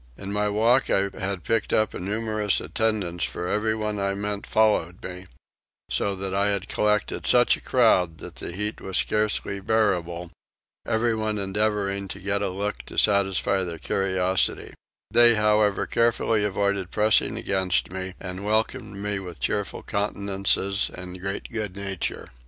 In my walk I had picked up a numerous attendance for everyone I met followed me; so that I had collected such a crowd that the heat was scarce bearable, everyone endeavouring to get a look to satisfy their curiosity: they however carefully avoided pressing against me, and welcomed me with cheerful countenances and great good nature.